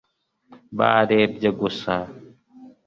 barebye gusa